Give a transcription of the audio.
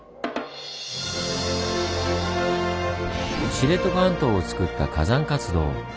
知床半島をつくった火山活動。